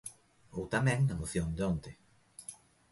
Ou tamén na moción de onte.